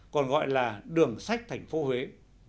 còn gọi là đường sách tp huế